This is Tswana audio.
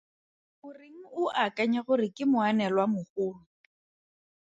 Goreng o akanya gore ke moanelwamogolo?